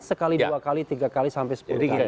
sekali dua kali tiga kali sampai sepuluh